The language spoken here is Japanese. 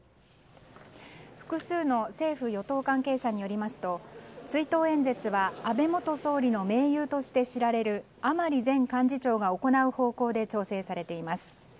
複数の政府・与党関係者によりますと追悼演説は安倍元総理の盟友として知られる甘利前幹事長が行う方向で調整されています。